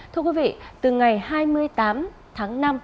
thưa quý vị từ ngày hai mươi tám tháng năm